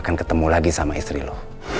lo gak akan ketemu lagi sama istri lo